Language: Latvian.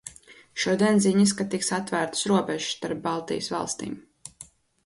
Šodien ziņas, ka tiks atvērtas robežas starp Baltijas valstīm.